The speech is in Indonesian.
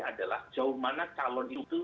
adalah jauh mana calon itu